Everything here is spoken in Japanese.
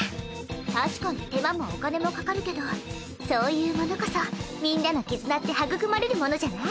確かに手間もお金もかかるけどそういうものこそみんなの絆って育まれるものじゃない？